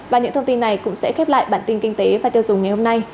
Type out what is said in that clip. và những thông tin này cũng sẽ khép lại bản tin kinh tế và tiêu dùng ngày hôm nay